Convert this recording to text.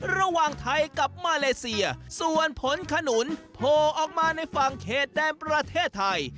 ระหว่างไทยกับมาเลเซียส่วนผลขนุนโผล่ออกมาในฝั่งเขตแดนประเทศไทย